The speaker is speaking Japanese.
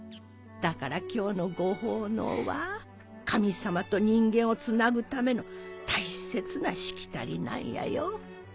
だから今日のご奉納は神様と人間をつなぐための大切なしきたりなんやよ。